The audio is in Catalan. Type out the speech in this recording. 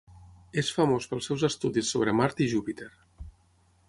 És famós pels seus estudis sobre Mart i Júpiter.